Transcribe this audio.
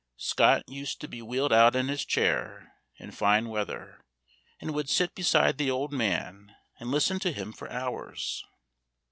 Scott used to be wheeled out in his chair, in fine weather, and would sit beside the old man, and listen to him for hours.